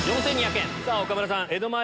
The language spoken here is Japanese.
さぁ岡村さん